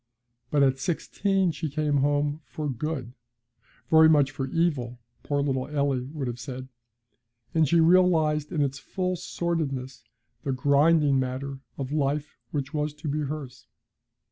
But at sixteen she came home 'for good'; very much for evil, poor little Eily would have said, as she realised in its full sordidness the grinding manner of life which was to be hers.